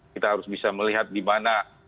kita harus bisa melihat di mana